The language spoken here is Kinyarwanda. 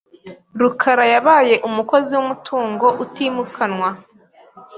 rukarayabaye umukozi wumutungo utimukanwa.